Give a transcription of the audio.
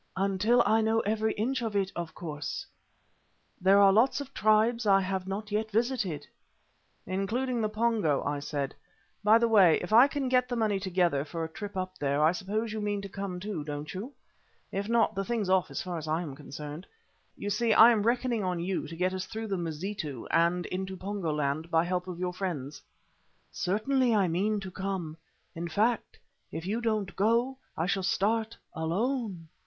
"Until I know every inch of it, of course. There are lots of tribes I have not yet visited." "Including the Pongo," I said. "By the way, if I can get the money together for a trip up there, I suppose you mean to come too, don't you? If not, the thing's off so far as I am concerned. You see, I am reckoning on you to get us through the Mazitu and into Pongo land by the help of your friends." "Certainly I mean to come. In fact, if you don't go, I shall start alone.